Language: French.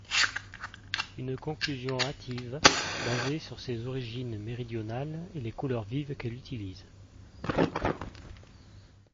Une conclusion hâtive, basée sur ses origines méridionales et les couleurs vives qu’elle utilise.